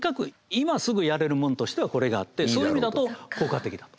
今すぐやれるもんとしてはこれがあってそういう意味だと効果的だと。